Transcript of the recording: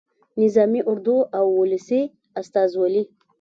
نظامي اردو او ولسي استازولي.